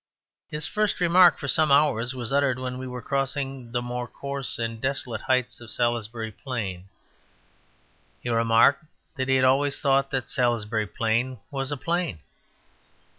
His first remark for some hours was uttered when we were crossing the more coarse and desolate heights of Salisbury Plain. He remarked that he had always thought that Salisbury Plain was a plain.